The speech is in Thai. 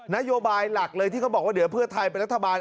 นโยบายหลักเลยที่เขาบอกว่าเดี๋ยวเพื่อไทยเป็นรัฐบาล